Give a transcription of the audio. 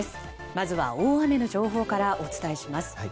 まずは大雨の情報からお伝えします。